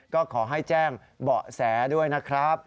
ก็ขอให้แจ้งเบาะแสด้วยนะครับ